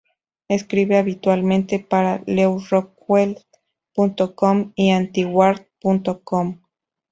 Escribe habitualmente para LewRockwell.com y Antiwar.com.